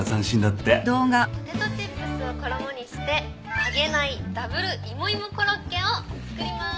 ポテトチップスを衣にして揚げないダブル芋芋コロッケを作ります。